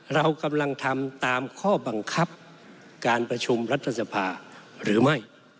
เรากำลังทำตามข้อบังคับการประชุมรัฐสภาหรือไม่